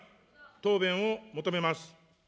答弁を求めます。